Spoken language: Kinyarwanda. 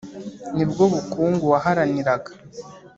ni bwo bukungu waharaniraga’